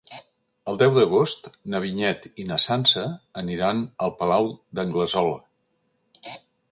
El deu d'agost na Vinyet i na Sança aniran al Palau d'Anglesola.